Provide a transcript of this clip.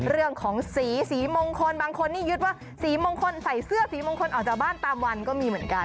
เรื่องของสีสีมงคลบางคนนี่ยึดว่าสีมงคลใส่เสื้อสีมงคลออกจากบ้านตามวันก็มีเหมือนกัน